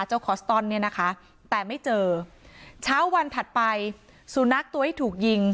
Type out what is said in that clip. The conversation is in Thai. คอสตอนเนี่ยนะคะแต่ไม่เจอเช้าวันถัดไปสุนัขตัวที่ถูกยิง